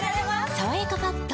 「さわやかパッド」